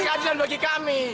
karena gak ada yang bagi kami